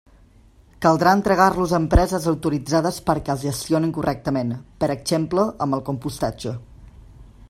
Caldrà entregar-los a empreses autoritzades perquè els gestionen correctament, per exemple amb el compostatge.